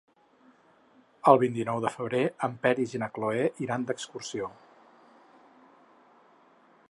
El vint-i-nou de febrer en Peris i na Cloè iran d'excursió.